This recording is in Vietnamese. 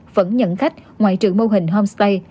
vẫn nhận khách ngoại trừ mô hình homestay